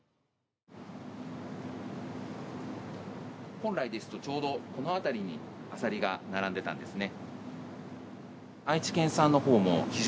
本来ですとちょうどこの辺りにアサリが並んでたんですね